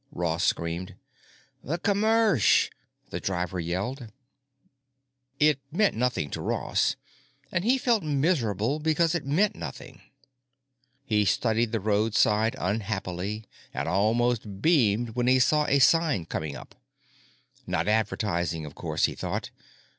Ross screamed. "The commersh," the driver yelled. It meant nothing to Ross, and he felt miserable because it meant nothing. He studied the roadside unhappily and almost beamed when he saw a sign coming up. Not advertising, of course, he thought.